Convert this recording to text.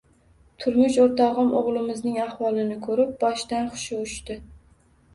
Turmush oʻrtogʻim oʻgʻlimizning ahvolini koʻrib, boshidan hushi uchdi.